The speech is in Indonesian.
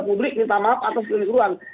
publik minta maaf atas keliruan